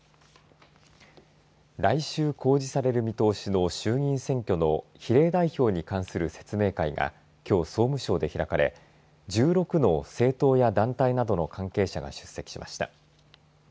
来週公示される見通しの衆議院選挙の比例代表に関する説明会がきょう、総務省で開かれ１６の政党や団体などの関係者が出席しました。